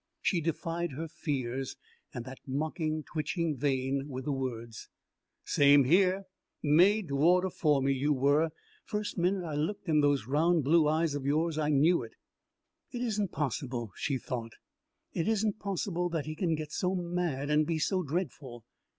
She defied her fears and that mocking, twitching vein with the words. "Same here. Made to order for me, you were. First minute I looked in those round blue eyes of yours I knew it." "It isn't possible," she thought. "It isn't possible that he can get so mad and be so dreadful.